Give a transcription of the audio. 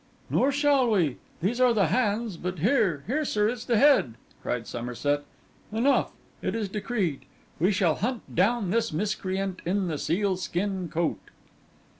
'Nor shall we. These are the hands; but here—here, sir, is the head,' cried Somerset. 'Enough; it is decreed. We shall hunt down this miscreant in the sealskin coat.